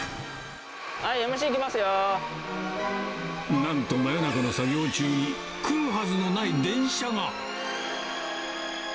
はい、なんと真夜中の作業中に、来るはずのない電車が。